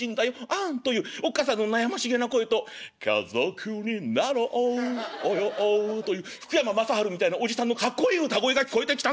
あんっ』というおっ母さんの悩ましげな声と『家族になろうよ』という福山雅治みたいなおじさんのかっこいい歌声が聞こえてきたんだよ